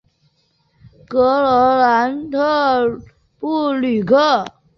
格朗代尔布吕克。